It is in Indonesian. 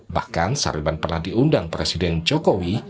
bahkan sarban pernah diundang presiden jokowi